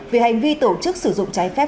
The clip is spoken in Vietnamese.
về hành vi tổ chức sử dụng trái phép